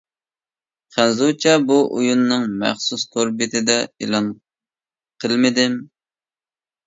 خەنزۇچە بۇ ئويۇننىڭ مەخسۇس تور بېتىدە ئېلان قىلمىدىم.